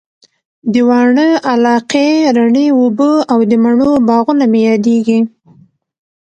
د واڼه علاقې رڼې اوبه او د مڼو باغونه مي ياديږي